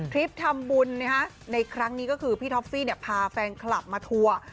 ทำบุญในครั้งนี้ก็คือพี่ท็อฟฟี่พาแฟนคลับมาทัวร์